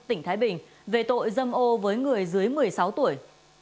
tỉnh thái bình về tội dâm ô với người dưới một mươi sáu tuổi